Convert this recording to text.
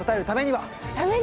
ためには！